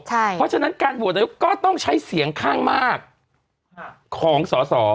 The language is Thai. เพราะฉะนั้นการโหวตนายกก็ต้องใช้เสียงข้างมากของสอสอ